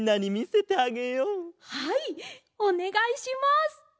はいおねがいします！